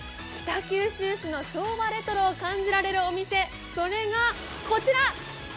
北九州市の昭和レトロを感じられるお店それが、こちら！